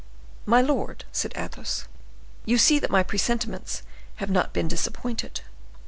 "My lord," said Athos, "you see that my presentiments have not been disappointed."